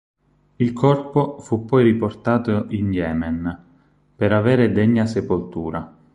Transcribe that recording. Il corpo fu poi riportato in Yemen per avere degna sepoltura.